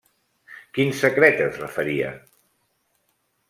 Quin secret es referia?